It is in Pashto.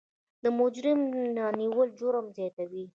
د مجرم نه نیول جرم زیاتوي.